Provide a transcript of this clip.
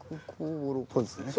こうですよね。